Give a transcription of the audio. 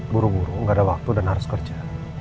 buru buru gak ada waktu dan harus kerja